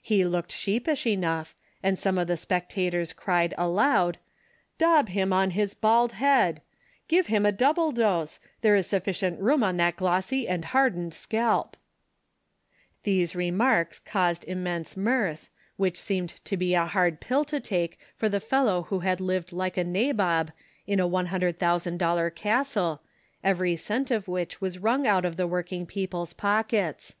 He looked sheepish enough, and some of the spectators cried aloud :" Dob him on his bald head ! "—"Give him a double dose, tliere is sufficient room on tiiat glossy and hardened scalp I " These remarks caused immense mirth, which seemed to be a liard i)iU to take for the fellow wlio had lived like a nabob in a one hundred thousand dollar castle, every cent of which was wrung out of the working jjeople's pockets.